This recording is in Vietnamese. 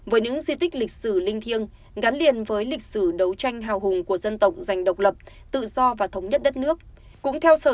với những di tích lịch sử linh thiêng gắn liền với lịch sử đấu tranh hào hùng của dân tộc giành độc lập tự do và thống nhất đất nước